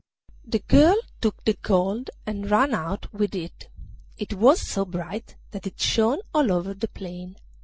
The girl took the gold and ran out with it, and it was so bright that it shone all over the plain.